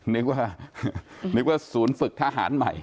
นึกว่านึกว่าศูนย์ฝึกทหารใหม่